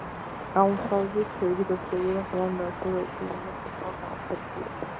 აღმოსავლეთით იგი დასრულებულია ღრმა, ნალისებრი აფსიდით, რომელშიც სწორკუთხა სარკმელია გაჭრილი.